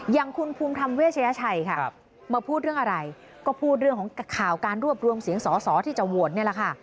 อย่างคุณภูมิธรรมเวชยชัยค่ะมาพูดเรื่องอะไรก็พูดเรื่องของข่าวการรวบรวมเสียงสอสอที่จะโหวตนี่แหละค่ะ